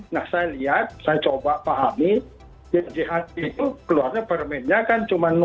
nah saya lihat saya coba pahami cht itu keluarnya permitnya kan cuma dua dua puluh dua dua puluh dua itu